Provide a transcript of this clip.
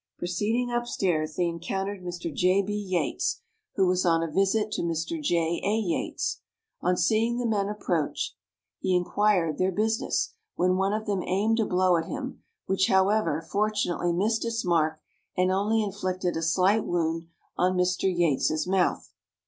Proceeding up stairs, they encountered Mr. J. B. Yates, who was on a visit to Mr. J. A. Yates. On seeing the men approach, he inquired their business, when one of them aimed a blow at him, which, however, fortunately missed its mark, and only inflicted a slight wound on Mr. Yates's mouth.